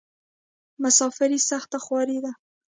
مسافري سخته خواری ده.